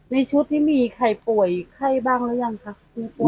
ในชุดที่มีใครป่วยบ้างรึยังคะ